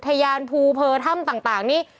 อุทยานภูเผอถ้ำต่างนี่